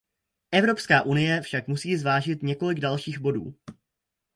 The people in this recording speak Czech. Evropská unie však musí zvážit několik dalších bodů.